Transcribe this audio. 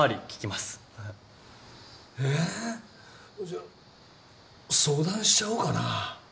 じゃあ相談しちゃおうかな。